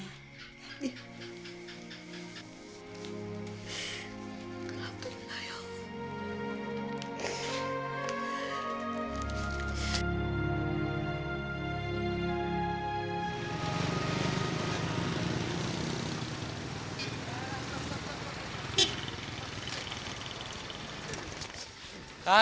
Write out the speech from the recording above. alhamdulillah ya allah